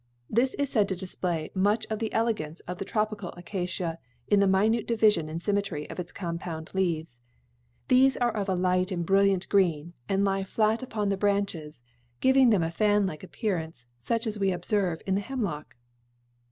This is said to display much of the elegance of the tropical acacia in the minute division and symmetry of its compound leaves. These are of a light and brilliant green and lie flat upon the branches, giving them a fan like appearance such as we observe in the hemlock."